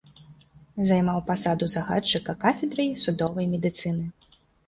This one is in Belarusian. Займаў пасаду загадчыка кафедрай судовай медыцыны.